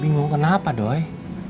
bingung kenapa doi